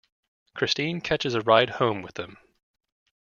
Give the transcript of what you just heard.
Christine catches a ride home with them.